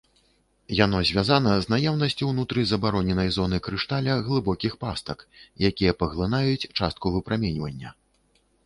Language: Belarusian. Яно звязана з наяўнасцю ўнутры забароненай зоны крышталя глыбокіх пастак, якія паглынаюць частку выпраменьвання.